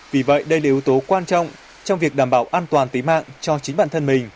vì vậy đây là yếu tố quan trọng trong việc đảm bảo an toàn tính mạng cho chính bản thân mình